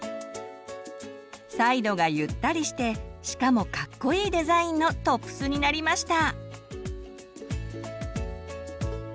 サイドがゆったりしてしかもカッコいいデザインのトップスになりました！